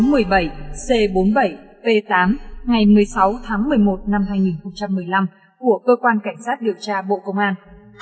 quyết định chuyên án đặc biệt số một mươi tám ngày một mươi sáu tháng một mươi một năm hai nghìn một mươi năm của cơ quan cảnh sát điều tra bộ công an